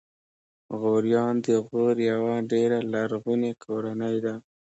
غوریان د غور یوه ډېره لرغونې کورنۍ ده.